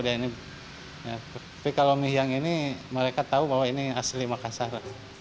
tapi kalau mie yang ini mereka tahu bahwa ini asli makassar